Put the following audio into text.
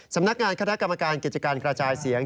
สำนักงานคณะกรรมการกิจการกระจายเสียง